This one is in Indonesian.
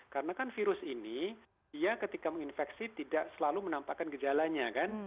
karena kan virus ini dia ketika menginfeksi tidak selalu menampakkan gejalanya kan